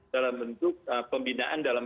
dalam bentuk pembinaan dalam